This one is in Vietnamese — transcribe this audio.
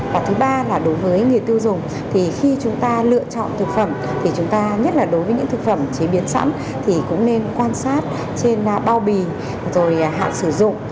và thứ ba là đối với người tiêu dùng thì khi chúng ta lựa chọn thực phẩm thì chúng ta nhất là đối với những thực phẩm chế biến sẵn thì cũng nên quan sát trên bao bì rồi hạn sử dụng